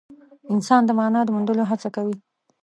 انسان د مانا د موندلو هڅه کوي.